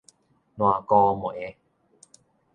爛糊糜